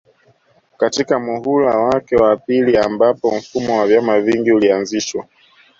katika muhula wake wa pili ambapo mfumo wa vyama vingi ulianzishwa